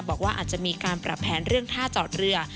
บอกว่าอาจจะมีการปรับแผนเรื่องท่าจอดเรือ